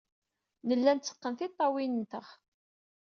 Nella netteqqen tiṭṭawin-nteɣ.